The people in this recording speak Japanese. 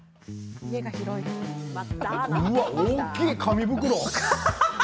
大きい紙袋。